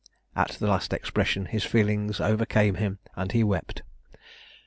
At the last expression his feelings overcame him, and he wept.